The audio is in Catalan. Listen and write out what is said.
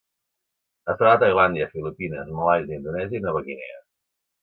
Es troba a Tailàndia, Filipines, Malàisia, Indonèsia i Nova Guinea.